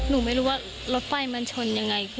หนูไม่รู้ว่ารถไฟมันชนยังไง